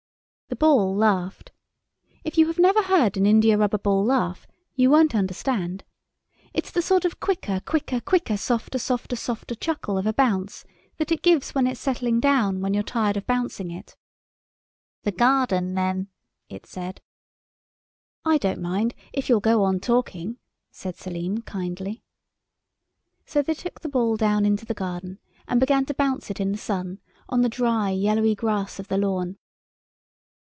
The Ball laughed. If you have never heard an india rubber ball laugh you won't understand. It's the sort of quicker, quicker, quicker, softer, softer, softer chuckle of a bounce that it gives when it's settling down when you're tired of bouncing it. "The garden, then," it said. "I don't mind, if you'll go on talking," said Selim kindly. So they took the Ball down into the garden and began to bounce it in the sun, on the dry, yellowy grass of the lawn.